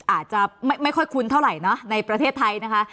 อาจจะไม่ค่อยคุ้นเท่าไหร่นะในประเทศไทยนะคะ